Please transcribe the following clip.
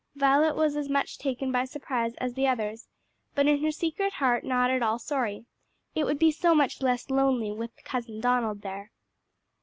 Violet was as much taken by surprise as the others, but in her secret heart not at all sorry "It would be so much less lonely with Cousin Donald there."